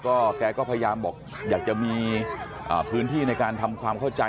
แกก็พยายามบอกอยากจะมีพื้นที่ในการทำความเข้าใจ